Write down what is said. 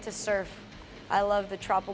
saya suka pulau tropis